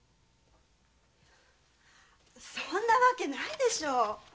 そんなわけないでしょう！